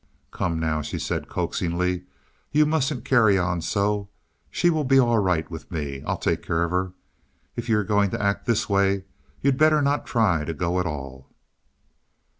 "Come now," she said, coaxingly, "you mustn't carry on so. She will be all right with me. I'll take care of her. If you're going to act this way, you'd better not try to go at all."